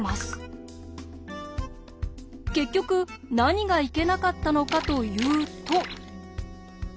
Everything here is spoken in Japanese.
結局何がいけなかったのかというと。